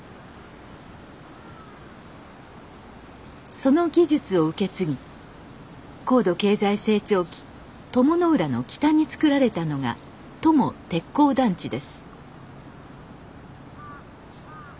その技術を受け継ぎ高度経済成長期鞆の浦の北につくられたのが鞆鉄鋼団地です。